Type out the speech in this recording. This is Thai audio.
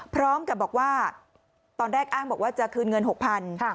พร้อมกับบอกว่าตอนแรกอ้างบอกว่าจะคืนเงิน๖๐๐บาท